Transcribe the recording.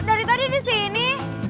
dari tadi disini